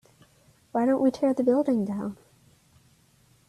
why don't we tear the building down?